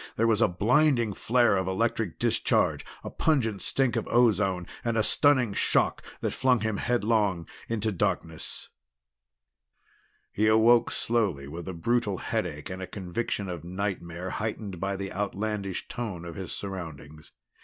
There was a blinding flare of electric discharge, a pungent stink of ozone and a stunning shock that flung him headlong into darkness. He awoke slowly with a brutal headache and a conviction of nightmare heightened by the outlandish tone of his surroundings.